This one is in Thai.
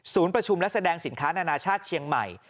ประชุมและแสดงสินค้านานาชาติเชียงใหม่